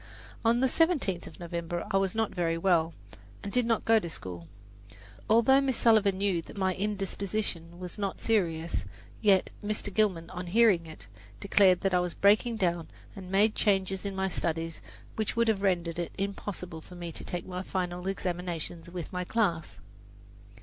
On the seventeenth of November I was not very well, and did not go to school. Although Miss Sullivan knew that my indisposition was not serious, yet Mr. Gilman, on hearing of it, declared that I was breaking down and made changes in my studies which would have rendered it impossible for me to take my final examinations with my class.